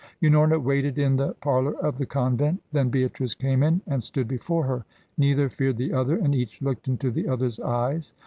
Unorna waited in the parlour of the convent. Then Beatrice came in, and stood before her. Neither feared the other, and each looked into the other's eyes.